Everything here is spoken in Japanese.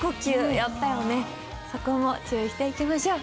そこも注意していきましょう。